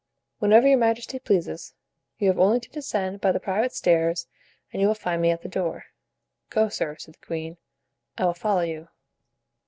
"Whenever your majesty pleases. You have only to descend by the private stairs and you will find me at the door." "Go, sir," said the queen; "I will follow you."